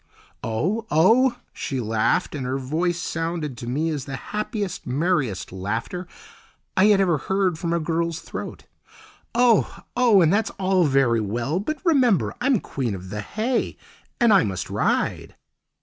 "Oh, oh," she laughed, and her voice sounded to me as the happiest, merriest laughter I had ever heard from a girl's throat. "Oh, oh! that's all very well. But remember I'm Queen of the Hay, and I must ride!"